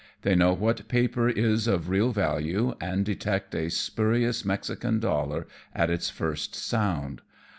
They know what paper is of real value and detect a spurious Mexican dollar at its first sound.